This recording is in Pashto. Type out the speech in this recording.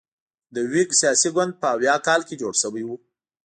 د ویګ سیاسي ګوند په اویا کال کې جوړ شوی و.